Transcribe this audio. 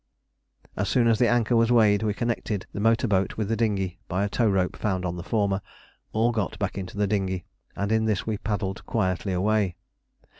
] As soon as the anchor was weighed, we connected the motor boat with the dinghy by a tow rope found on the former; all got back into the dinghy, and in this we paddled quietly away.